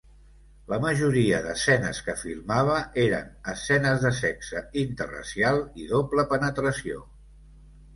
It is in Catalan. La majoria d'escenes que filmava eren escenes de sexe interracial i doble penetració.